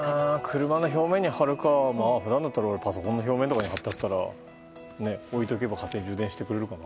車の表面に貼るか普段だったらパソコンの表面に貼って置いとけば勝手に充電してくれるから。